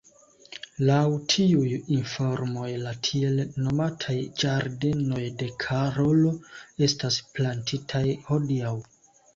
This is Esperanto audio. Laŭ tiuj informoj la tiel nomataj ĝardenoj de Karolo estas plantitaj hodiaŭ.